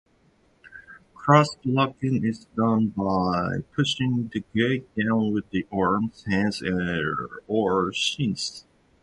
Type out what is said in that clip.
Cross-blocking is done by pushing the gate down with the arms, hands, or shins.